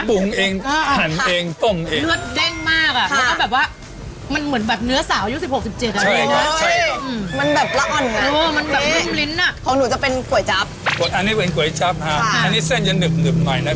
เลือดพิกัดนะฮะเหยร์เลือดเครื่องก็ทำมา